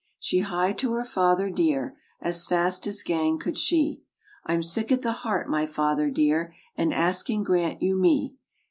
She hied her to her father dear As fast as gang could she: "I'm sick at the heart, my father dear; An asking grant you me!"